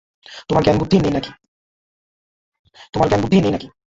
তোদের জ্ঞান-বুদ্ধি নেই না-কি?